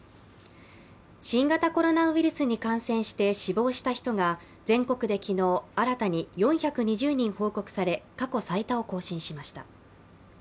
新型コロナウイルスに感染して死亡した人が全国で昨日、新たに４２０人報告され過去最多を更新しました。